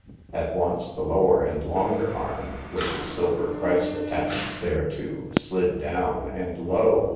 At once the lower and longer arm, with the silver Christ attached thereto, slid down, and lo